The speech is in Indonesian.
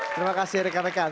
terima kasih rekan rekan